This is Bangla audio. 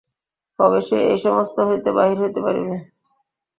কবে সে এই সমস্ত হইতে বাহির হইতে পারিবে।